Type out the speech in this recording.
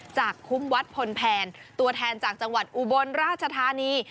จากคุ้มวัดพลแผนตัวแทนจากจังหวัดอุบลราชธานี